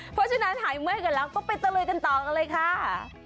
เพราะฉะนั้นหายเมื่อยกันแล้วก็ไปตะลุยกันต่อกันเลยค่ะ